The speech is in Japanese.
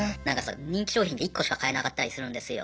人気商品って１個しか買えなかったりするんですよ。